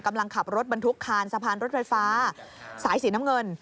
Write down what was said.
กำลังขับรถบรรทุกคานสะพานรถไฟฟ้าสายสีน้ำเงิน